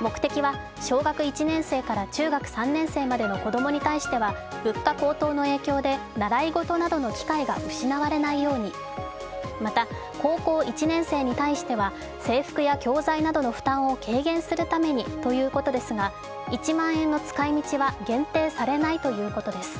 目的は、小学１年生から中学３年生までの子供に対しては物価高騰の影響で習い事などの機会が失われないようにまた、高校１年生に対しては制服や教材などの負担を軽減するためにということですが１万円の使い道は限定されないということです。